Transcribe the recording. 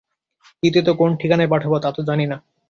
দ্বিতীয়ত কোন ঠিকানায় পাঠাব, তা তো জানি না।